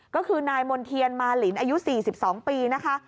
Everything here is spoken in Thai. ก็คือนายมณ์เทียนมาลินอายุสี่สิบสองปีนะคะ